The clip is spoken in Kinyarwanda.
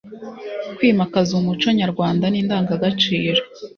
kwimakaza umuco nyarwanda n’indangagaciro.